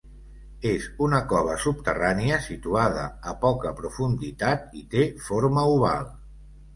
És una cova subterrània situada a poca profunditat i té forma oval.